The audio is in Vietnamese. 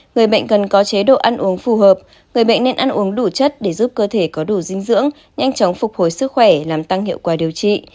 người bệnh cần có chế độ ăn uống phù hợp người bệnh nên ăn uống đủ chất để giúp cơ thể có đủ dinh dưỡng nhanh chóng phục hồi sức khỏe làm tăng hiệu quả điều trị